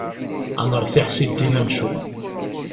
Ad nertiḥ si ddin amcum.